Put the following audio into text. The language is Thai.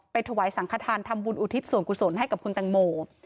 ถวายสังขทานทำบุญอุทิศส่วนกุศลให้กับคุณตังโม